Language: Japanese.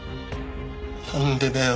なんでだよ。